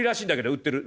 売ってる。